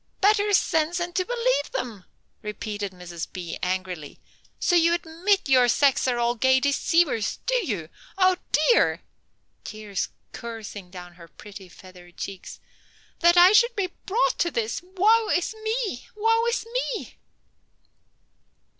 "Better sense than to believe them!" repeated Mrs. B., angrily. "So you admit your sex are all gay deceivers, do you? Oh, dear," tears coursing down her pretty feathered cheeks, "that I should be brought to this! Woe is me, woe is me!"